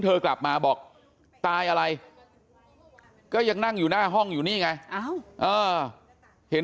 เธอกลับมาบอกตายอะไรก็ยังนั่งอยู่หน้าห้องอยู่นี่ไงเห็น